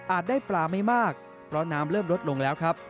ได้ปลาไม่มากเพราะน้ำเริ่มลดลงแล้วครับ